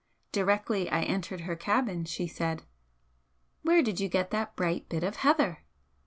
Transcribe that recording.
Directly I entered her cabin she said: "Where did you get that bright bit of heather?"